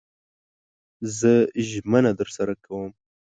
زه ژمنه درسره کوم